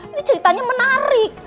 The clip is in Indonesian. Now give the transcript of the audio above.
ini ceritanya menarik